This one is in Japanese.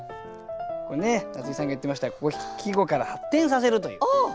これね夏井さんが言ってました季語から発展させるという。